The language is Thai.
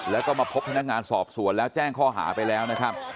แล้วก็มาพบพนักงานสอบสวนแล้วแจ้งข้อหาไปแล้วนะครับ